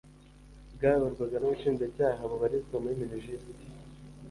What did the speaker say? bwayoborwaga n’Ubushinjacyaha bubarizwa muri Minijust